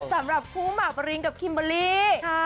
สำหรับครูหมากมะริงกับคิมบอลลี่ค่ะ